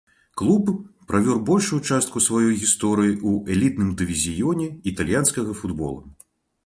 Клуб правёў большую частку сваёй гісторыі ў элітным дывізіёне італьянскага футбола.